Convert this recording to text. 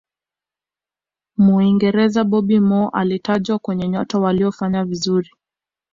muingereza bobby moore alitajwa kwenye nyota waliyofanya vizuri